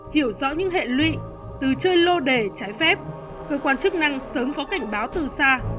hiểu rõ những hệ lụy từ chơi lô đề trái phép cơ quan chức năng sớm có cảnh báo từ xa